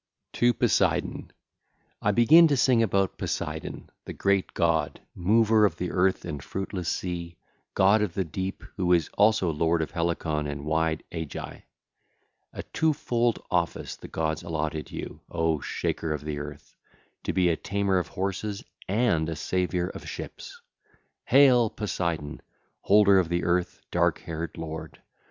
XXII. TO POSEIDON (ll. 1 5) I begin to sing about Poseidon, the great god, mover of the earth and fruitless sea, god of the deep who is also lord of Helicon and wide Aegae. A two fold office the gods allotted you, O Shaker of the Earth, to be a tamer of horses and a saviour of ships! (ll. 6 7) Hail, Poseidon, Holder of the Earth, dark haired lord!